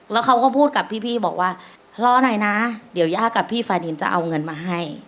แล้วเขาก็พูดกับพี่บอกว่ารอหน่อยนะเดี๋ยวย่ากับพี่ฟาดินจะเอาเงินมาให้